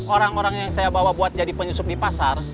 orang orang yang saya bawa buat jadi penyusup di pasar